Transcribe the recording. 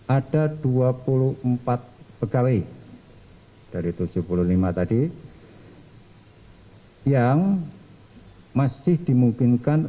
ada dua puluh empat pegawai dari tujuh puluh lima tadi yang masih dimungkinkan